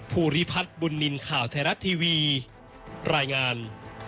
ภูริพัฒน์บุญนินทร์ข่าวไทยรัฐทีวีรายงาน